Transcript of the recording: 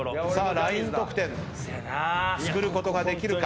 ライン得点つくることができるか？